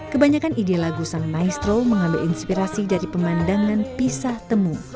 kebanyakan ide lagu sang maestro mengambil inspirasi dari pemandangan pisah temu